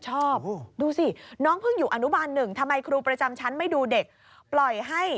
ชอบดูสิน้องเพิ่งอยู่อนุบาลหนึ่งทำไมครูประจำชั้นไม่ดูเด็กปล่อยให้